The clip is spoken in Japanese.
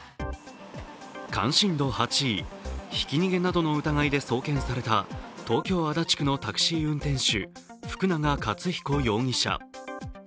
関心度８位、ひき逃げなどの疑いで送検された東京・足立区のタクシー運転手・福永克彦容疑者。